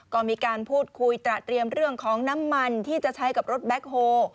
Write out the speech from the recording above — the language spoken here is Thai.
ก็มีการพูดคุยตระเตรียมเรื่องของน้ำมันที่จะใช้กับรถแบ็คโฮ